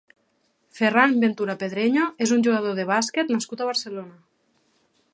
Ferrán Ventura Pedreño és un jugador de bàsquet nascut a Barcelona.